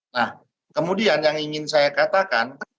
nah kemudian yang ingin saya katakan